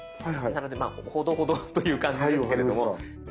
なのでまあほどほどという感じですけれども。